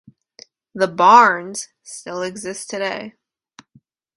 The "barns" still exist today.